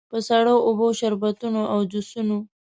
په سړو اوبو، شربتونو او جوسونو.